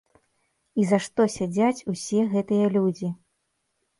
І за што сядзяць усе гэтыя людзі?